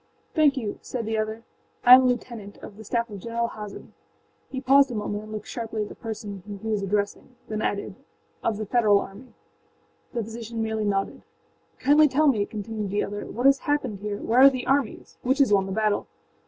âThank you,â said the other. âI am a lieutenant, of the staff of General Hazen.â He paused a moment and looked sharply at the person whom he was addressing, then added, âof the Federal army.â The physician merely nodded. âKindly tell me,â continued the other, âwhat has happened here. Where are the armies? Which has won the battle?